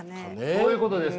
そういうことですか？